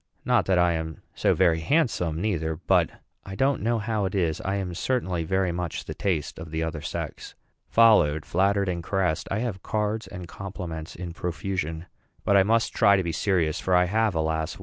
Not that I am so very handsome neither; but, I don't know how it is, I am certainly very much the taste of the other sex. Followed, flattered, and caressed, I have cards and compliments in profusion. But I must try to be serious; for I have, alas!